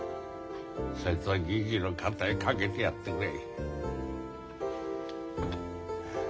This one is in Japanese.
そいつを銀次の肩へ掛けてやってくれ。